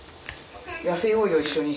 痩せようよ一緒に。